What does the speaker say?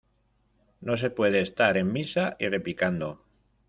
No se puede estar en misa y repicando.